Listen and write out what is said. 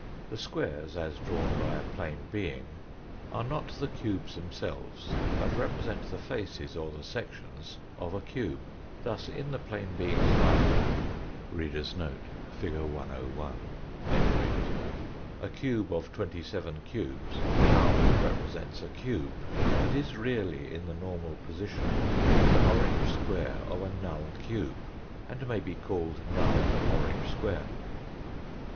The squares, 170 THE FOURTH DIMENSION as drawn by a plane being, are not the cubes themselves, but represent the faces or the sections of a cube. Thus in the plane being's diagram a cube of twenty seven cubes " null " represents a cube, but is really, in the normal position, the orange square of a null cube, and may be called null, orange square.